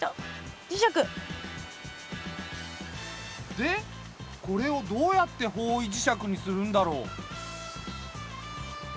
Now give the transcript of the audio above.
でこれをどうやって方位磁石にするんだろう？